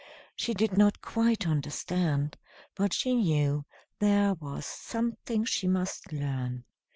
She did not quite understand, but she knew there was something she must learn.